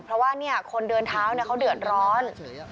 เพราะว่าเนี่ยคนเดือนเท้าเนี่ยเค้าเดือนร้อน